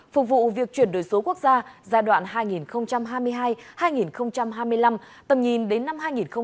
phục vụ việc chuyển đổi số quốc gia giai đoạn hai nghìn hai mươi hai hai nghìn hai mươi năm tầm nhìn đến năm hai nghìn ba mươi